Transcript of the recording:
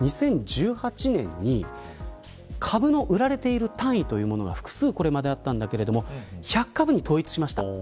２０１８年に株の売られている単位が複数、これまであったんですけど１００株に統一しました。